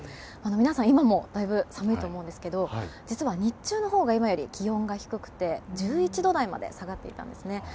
皆さん今もだいぶ寒いと思うんですけど実は、日中のほうが今より気温が低くて１１度台まで下がっていたんです。